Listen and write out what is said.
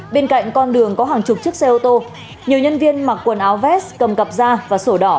bên cạnh con đường có hàng chục chiếc xe ô tô nhiều nhân viên mặc quần áo vest cầm cặp da và sổ đỏ